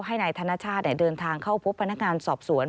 ให้นายธนชาติเดินทางเข้าพบพนักงานสอบสวน